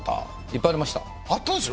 いっぱいありました。